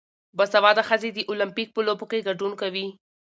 باسواده ښځې د اولمپیک په لوبو کې ګډون کوي.